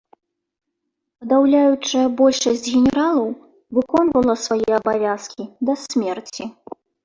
Падаўляючая большасць генералаў выконвала свае абавязкі да смерці.